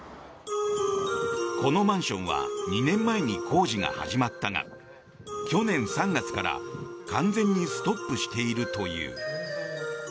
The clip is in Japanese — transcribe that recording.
このマンションは２年前に工事が始まったが去年３月から完全にストップしているという。